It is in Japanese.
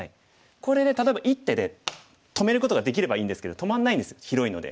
これで例えば１手で止めることができればいいんですけど止まんないんです広いので。